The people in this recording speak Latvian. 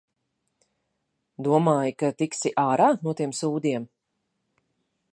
Domāji, ka tiksi ārā no tiem sūdiem?